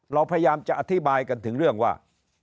เราพยายามจะอธิบายกันถึงเรื่องว่า